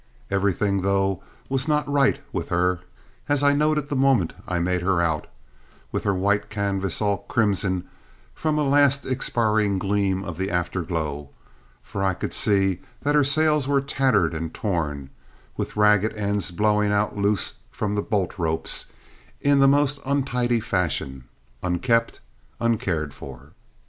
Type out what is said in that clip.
Everything, though, was not right with her, as I noted the moment I made her out, with her white canvas all crimson from a last expiring gleam of the afterglow; for I could see that her sails were tattered and torn, with the ragged ends blowing out loose from the boltropes in the most untidy fashion, unkempt, uncared for!